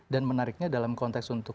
dan menariknya dalam konteks untuk